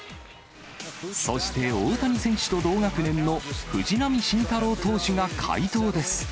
そして、大谷選手と同学年の藤浪晋太郎投手が快投です。